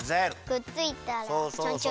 くっついたらチョンチョン。